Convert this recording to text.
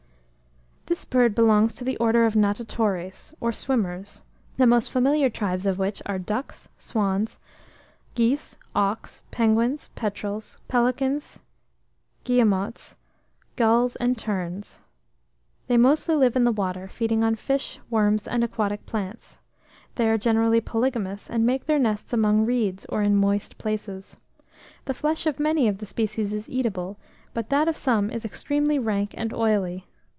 This bird belongs to the order of Natatores, or Swimmers; the most familiar tribes of which are ducks, swans, geese, auks, penguins, petrels, pelicans, guillemots, gulls, and terns. They mostly live in the water, feeding on fish, worms, and aquatic plants. They are generally polygamous, and make their nests among reeds, or in moist places. The flesh of many of the species is eatable, but that of some is extremely rank and oily.